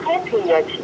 là sang gõ cửa